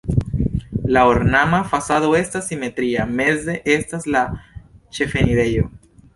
La ornama fasado estas simetria, meze estas la ĉefenirejo.